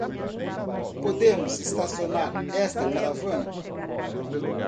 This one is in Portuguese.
Podemos estacionar esta caravana?